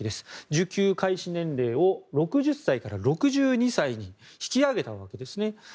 受給開始年齢を６０歳から６２歳に引き上げたわけです。